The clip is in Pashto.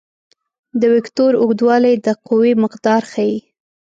د وکتور اوږدوالی د قوې مقدار ښيي.